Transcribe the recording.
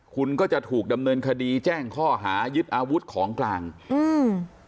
คุณก็จะถูกดำเนินคดีแจ้งข้อหายึดอาวุธของกลางอืม